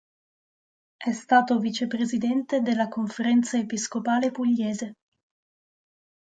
È stato vicepresidente della Conferenza episcopale pugliese.